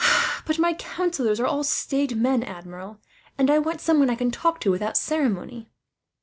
"But my councillors are all staid men, Admiral; and I want someone I can talk to, without ceremony."